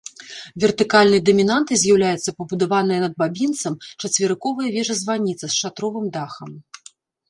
Вертыкальнай дамінантай з'яўляецца пабудаваная над бабінцам чацверыковая вежа-званіца з шатровым дахам.